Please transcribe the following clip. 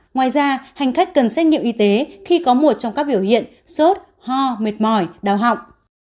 ngoài ra hành khách cần xét nghiệm y tế khi có một trong các biểu hiện sốt ho mệt mỏi đau họng